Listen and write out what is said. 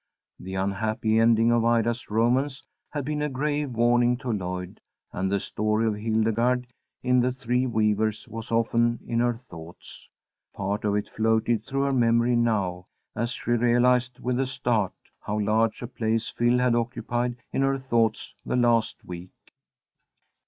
The unhappy ending of Ida's romance had been a grave warning to Lloyd, and the story of Hildegarde in the Three Weavers was often in her thoughts. Part of it floated through her memory now, as she realized, with a start, how large a place Phil had occupied in her thoughts the last week.